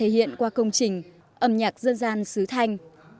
hình âm nhạc dân gian xứ thanh